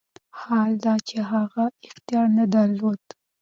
حال دا چې هغه اختیار نه درلود.